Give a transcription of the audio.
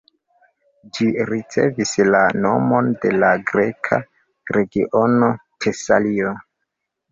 Ĝi ricevis la nomon de la greka regiono Tesalio.